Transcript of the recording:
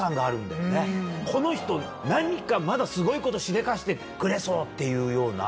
この人何かまだすごいことしでかしてくれそうっていうような。